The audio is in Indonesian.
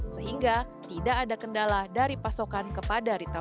sehingga tidak ada kendala dari pasokan kepada retail